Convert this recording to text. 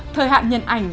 thời hạn nhận ảnh